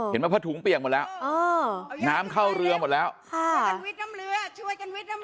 อ๋อเห็นไหมพะถุงเปียกหมดแล้วอ๋อน้ำเข้าเรือหมดแล้วค่ะช่วยกันวิทย์น้ำเรือ